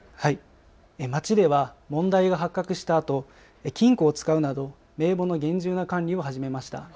町では問題が発覚したあと、金庫を使うなど名簿の厳重な管理を始めました。